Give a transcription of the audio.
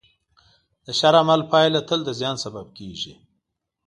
د شر عمل پایله تل د زیان سبب کېږي.